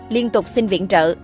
liên tục xin viện trợ